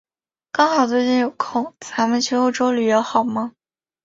刚好最近有空，咱们去欧洲旅游好吗？